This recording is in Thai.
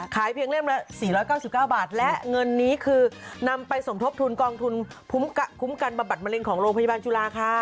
เพียงเล่มละ๔๙๙บาทและเงินนี้คือนำไปสมทบทุนกองทุนคุ้มกันบำบัดมะเร็งของโรงพยาบาลจุฬาค่ะ